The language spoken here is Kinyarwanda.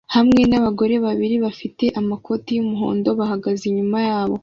hamwe nabagore babiri bafite amakoti yumuhondo bahagaze inyuma yabo